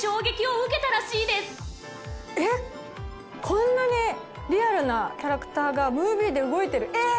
こんなにリアルなキャラクターがムービーで動いてる、えっ！